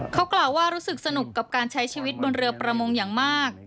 เขากล่าวว่ารู้สึกสนุกกับการใช้ชีวิตบนเรือประมงอย่างมาก